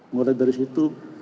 mulai dari situ